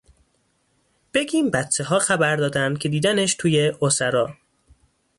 بگیم بچه ها خبر دادن که دیدنش توی اُسرا